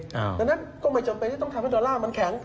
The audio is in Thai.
ดังนั้นก็ไม่จำเป็นที่ต้องทำให้ดอลลาร์มันแข็ง